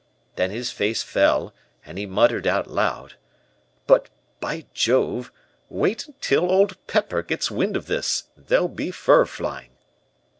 Then his face fell, and he muttered out loud: "'But, by Jove, wait till Old Pepper gets wind of this. There'll be fur flying.'